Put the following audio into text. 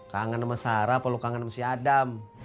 kangen sama sarah apa lu kangen sama si adam